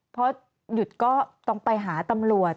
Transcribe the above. พอหยุดก็ต้องไปหาตำรวจ